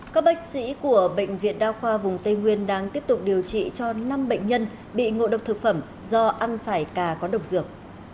các bác sĩ của bệnh viện đa khoa vùng tây nguyên đang tiếp tục điều trị cho năm bệnh nhân bị ngộ độc thực phẩm do ăn phải cà có độc dược